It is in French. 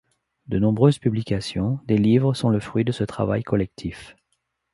De nombreuses publications, des livres sont le fruit de ce travail collectif.